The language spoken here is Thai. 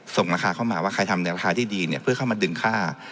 ส่งราคาเข้ามาว่าใครทำในราคาที่ดีเนี่ยเพื่อเข้ามาดึงค่า